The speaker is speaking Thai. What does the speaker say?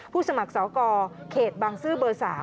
ผู้สมัครเสาขอเขตบางซื้อเบอร์๓